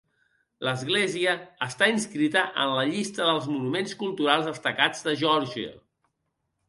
L'església està inscrita en la llista dels Monuments Culturals destacats de Geòrgia.